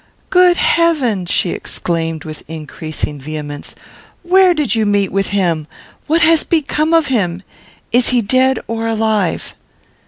"Good heaven!" she exclaimed, with increasing vehemence; "where did you meet with him? What has become of him? Is he dead, or alive?"